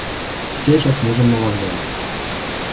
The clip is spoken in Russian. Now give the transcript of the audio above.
Встреча с мужем на вокзале.